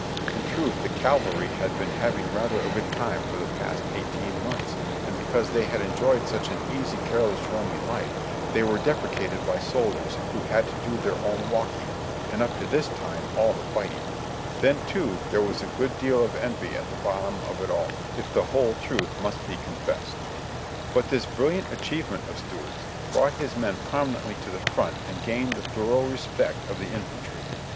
In truth, the ca\ alry had been having rather a good time for the past eighteen months, and because they had enjoyed such an easy, careless, roaming life, they were depreciated by soldiers who had to do their own walking, and up to this time all the fighting; then, too, there was a good deal of envy at the bottom of it all, if the whole truth must be confessed. But this brilliant achieve ment of Stuart's brought his men prominently to the front and gained the thorough respect of the infantry.